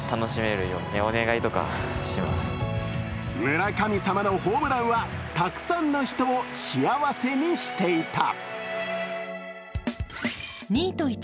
村神様のホームランはたくさんの人を幸せにしていた。